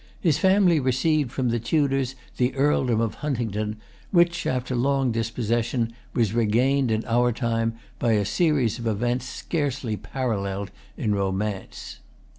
His family received from the Tudors the earldom of Huntingdon, which, after long dispossession, was regained in our time by a series of events scarcely paralleled in romance.